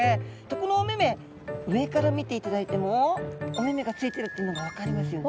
このお目々上から見ていただいてもお目々がついてるっていうのが分かりますよね。